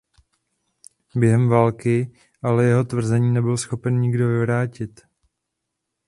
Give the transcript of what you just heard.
Během války ale jeho tvrzení nebyl schopen nikdo vyvrátit.